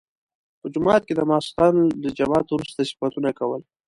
په جومات کې د ماخستن له جماعت وروسته صفتونه کول.